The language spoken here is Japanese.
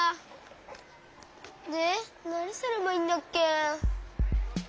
でなにすればいいんだっけ？